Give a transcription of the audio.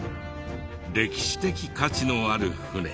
歴史的価値のある船。